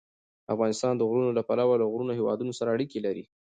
افغانستان د غرونه له پلوه له نورو هېوادونو سره اړیکې لري.